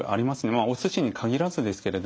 まあお寿司に限らずですけれども。